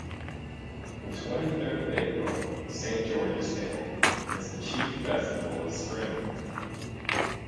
The twenty-third of April, St. George's Day, is the chief festival of spring.